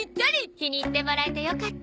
気に入ってもらえてよかった。